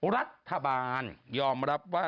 รัฐบาลยอมรับว่า